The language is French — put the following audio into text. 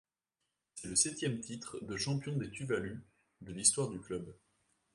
C'est le septième titre de champion des Tuvalu de l’histoire du club.